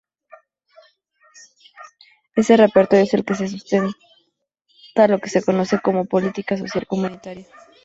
Ese repertorio es el que sustenta lo que se conoce como política social comunitaria.